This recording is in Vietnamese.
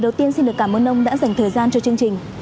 để đối tiên xin được cảm ơn ông đã dành thời gian cho chương trình